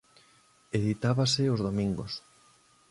Editábase os domingos.